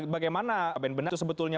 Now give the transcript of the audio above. bagaimana pak ben benar itu sebetulnya